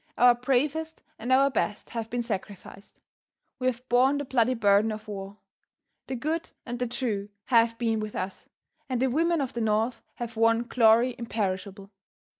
Our bravest and our best have been sacrificed. We have borne the bloody burden of war. The good and the true have been with us, and the women of the North have won glory imperishable.